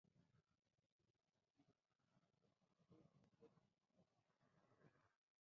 La vibración y el humo se sintió en todas las zonas aledañas.